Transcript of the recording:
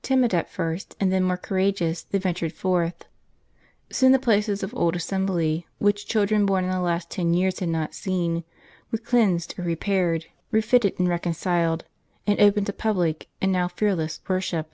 Timid at first, and then more courageous, they ventured forth ; soon the places of old assem bly, which children born in the last ten years had not seen, were cleansed, or repaired, refitted and reconciled,* and opened to public, and now fearless, worship.